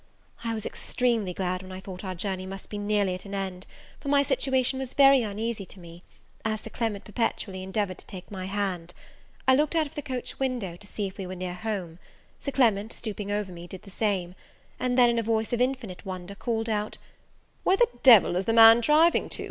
I was extremely glad when I thought our journey must be nearly at an end, for my situation was very uneasy to me, as Sir Clement perpetually endeavoured to take my hand. I looked out of the coach window, to see if we were near home: Sir Clement, stooping over me, did the same; and then, in a voice of infinite wonder, called out, "Where the d l is the man driving to?